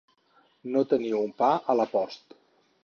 No tenir un pa a la post.